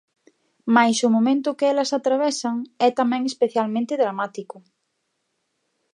Mais o momento que elas atravesan é tamén especialmente dramático.